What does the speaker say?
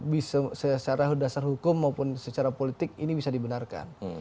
bisa secara dasar hukum maupun secara politik ini bisa dibenarkan